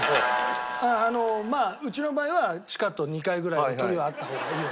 あのまあうちの場合は地下と２階ぐらいの距離はあった方がいいわけ。